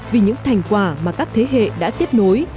vì những thành quả mà các thế hệ đã tiếp nối